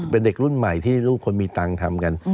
เป็นเด็กรุ่นใหม่ที่ลูกคนมีตังค์ทำกัน